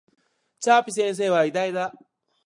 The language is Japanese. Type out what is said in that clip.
チャピ先生は偉大だ